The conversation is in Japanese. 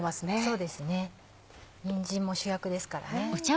そうですねにんじんも主役ですからね。